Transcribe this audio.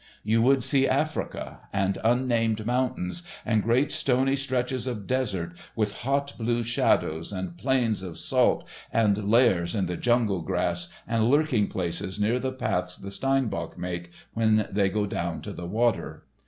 You would see Africa, and unnamed mountains, and great stony stretches of desert, with hot blue shadows, and plains of salt, and lairs in the jungle grass, and lurking places near the paths the steinbok make when they go down to water.